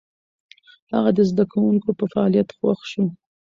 هغه د زده کوونکو په فعاليت خوښ شو.